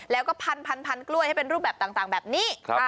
แล้วก็พันกล้วยให้เป็นรูปแบบต่างแบบนี้